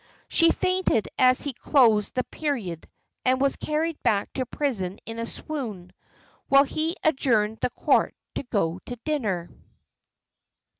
She fainted as he closed the period, and was carried back to prison in a swoon; while he adjourned the court to go to dinner.